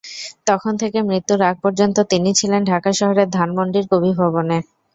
তখন থেকে মৃত্যুর আগ-পর্যন্ত তিনি ছিলেন ঢাকা শহরের ধানমন্ডির কবি ভবনে।